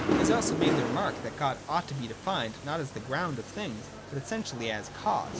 He has also made the remark that God ought to be defined not as the ground of things, but essentially as cause.